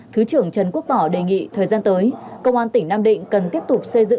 thứ trưởng trần quốc tỏ đề nghị thời gian tới công an tỉnh nam định cần tiếp tục xây dựng